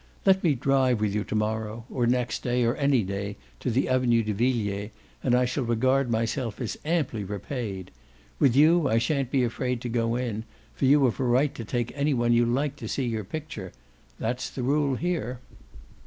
Let me drive with you to morrow, or next day or any day, to the Avenue de Villiers, and I shall regard myself as amply repaid. With you I shan't be afraid to go in, for you've a right to take any one you like to see your picture. That's the rule here."